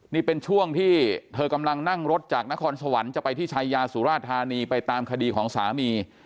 นี่เป็นช่วงที่เธอกำลังนั่งรถจากนครสวรรค์จะไปที่ชายาสุราธานีไปตามคดีของสามี